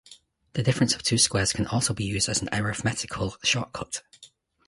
The difference of two squares can also be used as an arithmetical short cut.